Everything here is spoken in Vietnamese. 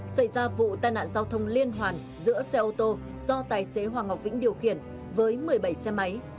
xảy ra vụ tai nạn giao thông liên hoàn giữa xe ô tô do tài xế hoàng ngọc vĩnh điều khiển với một mươi bảy xe máy